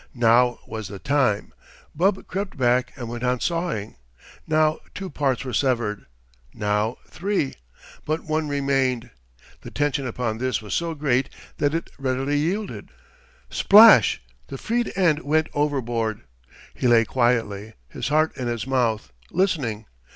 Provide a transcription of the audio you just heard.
Now was the time! Bub crept back and went on sawing. Now two parts were severed. Now three. But one remained. The tension upon this was so great that it readily yielded. Splash the freed end went overboard. He lay quietly, his heart in his mouth, listening.